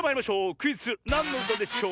クイズ「なんのうたでしょう」